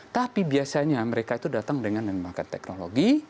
tapi biasanya mereka itu datang dengan mengembangkan teknologi